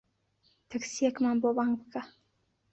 تەکسییەکمان بۆ بانگ بکە.